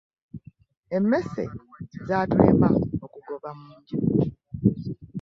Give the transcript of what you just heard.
Emmese zaatulema okugoba mu nju.